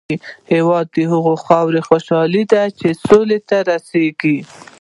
هېواد د هغې خاورې خوشحالي ده چې سولې ته رسېږي.